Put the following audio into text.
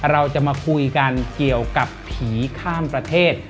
เราจะมาคุยกันเกี่ยวกับผีข้ามประเทศ